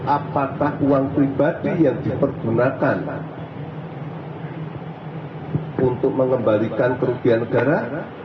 apakah uang pribadi yang dipergunakan untuk mengembalikan kerugian negara